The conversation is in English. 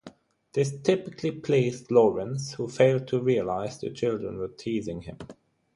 This typically pleased Lawrence who failed to realize the children were teasing him.